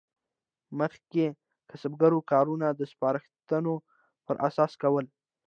مخکې کسبګرو کارونه د سپارښتونو پر اساس کول.